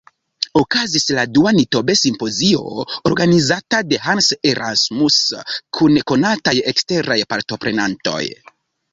Okazis la dua Nitobe-simpozio, organizata de Hans Erasmus, kun konataj eksteraj partoprenantoj.